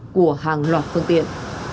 của hàng loạt phương tiện